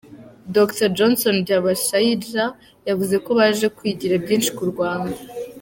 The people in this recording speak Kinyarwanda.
Dr Johnson Byabashaijja, yavuze ko baje kwigira byinshi ku Rwanda.